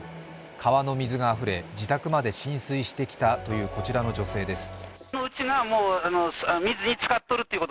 川の水があふれ自宅まで浸水してきたというこちらの女性です。